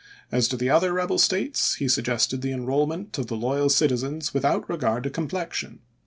As to the other rebel States, he sug gested the enrollment of the loyal citizens without regard to complexion.